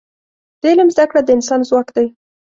د علم زده کړه د انسان ځواک دی.